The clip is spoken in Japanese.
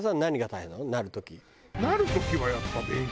なる時はやっぱ勉強。